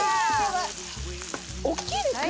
大きいですね